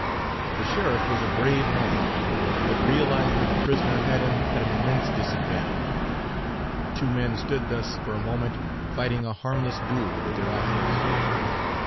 The sheriff was a brave man, but realized that the prisoner had him at an immense disadvantage. The two men stood thus for a moment, fighting a harmless duel with their eyes.